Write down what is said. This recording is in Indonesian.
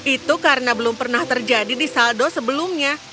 itu karena belum pernah terjadi di saldo sebelumnya